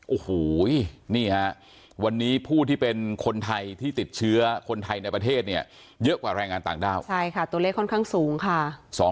โอ้โหนี่ฮะวันนี้ผู้ที่เป็นคนไทยที่ติดเชื้อคนไทยในประเทศเนี่ยเยอะกว่าแรงงานต่างด้าวใช่ค่ะตัวเลขค่อนข้างสูงค่ะ